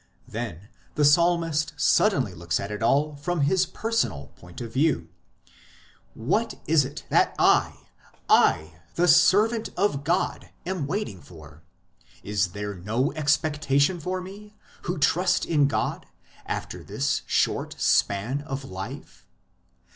Then the psalmist suddenly looks at it all from his personal point of view ; what is it that I I, the servant of God am waiting for ? Is there no expectation for me, who trust in God, after this short span of life